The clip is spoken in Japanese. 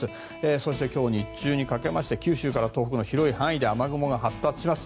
そして、今日日中にかけまして九州から東北の広い範囲で雨雲が発達します。